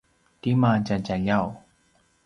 tima tja djaljaw?